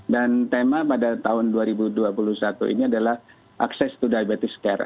dan tema pada tahun dua ribu dua puluh satu ini adalah access to diabetes care